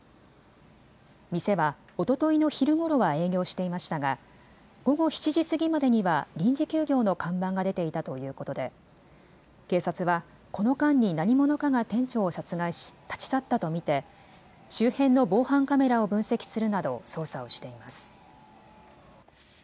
店はおとといの昼ごろは営業していましたが午後７時過ぎまでには臨時休業の看板が出ていたということで警察はこの間に何者かが店長を殺害し立ち去ったと見て周辺の防犯カメラを分析するなど捜査をしています。